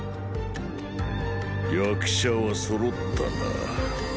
役者はそろったな。